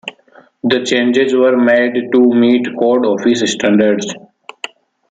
The changes were made to meet Code Office standards.